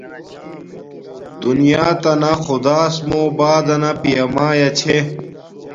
دونیاتانہ خداس موں بعداس پیامایا چھے